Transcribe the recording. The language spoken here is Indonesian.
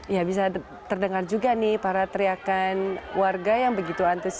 ya bisa terdengar juga nih para teriakan warga yang begitu antusias